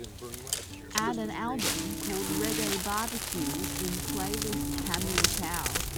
add an album called Reggae BBQ in playlist Camu Tao